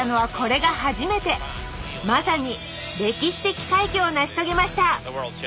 まさに歴史的快挙を成し遂げました。